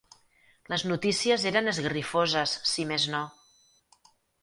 Les notícies eren esgarrifoses, si més no.